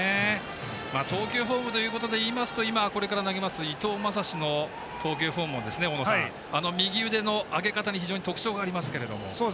投球フォームということでいいますと今、これから投げます伊藤将司の投球フォームも右腕の上げ方に非常に特徴がありますけども。